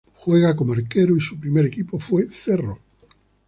Juega como arquero y su primer equipo fue Cerro.